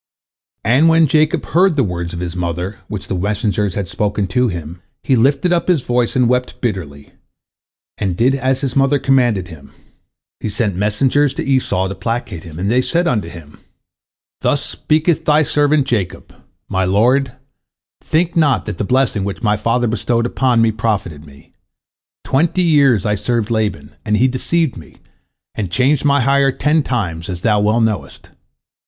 And when Jacob heard the words of his mother which the messengers had spoken to him, he lifted up his voice and wept bitterly, and did as his mother commanded him. He sent messengers to Esau to placate him, and they said unto him: "Thus speaketh thy servant Jacob: My lord, think not that the blessing which my father bestowed upon me profited me. Twenty years I served Laban, and he deceived me, and changed my hire ten times, as thou well knowest.